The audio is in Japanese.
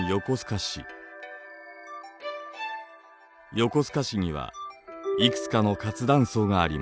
横須賀市にはいくつかの活断層があります。